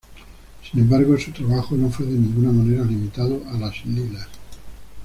Sin embargo, su trabajo no fue de ninguna manera limitado a las lilas.